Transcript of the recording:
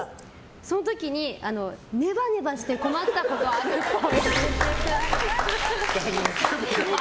その時にネバネバして困ったことあるっぽい。